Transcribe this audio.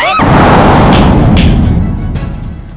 mau kemana kau gadis cantik